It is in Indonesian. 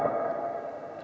apa yang terjadi